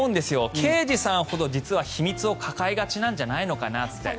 刑事さんほど実は秘密を抱えがちなんじゃないかなって。